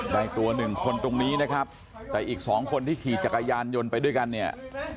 ได้ตัวหนึ่งคนตรงนี้นะครับแต่อีกสองคนที่ขี่จักรยานยนต์ไปด้วยกันเนี่ย